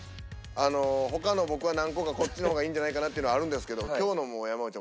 他の僕は何個かこっちの方がいいんじゃないかなっていうのはあるんですけど。